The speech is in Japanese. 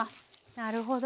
なるほど。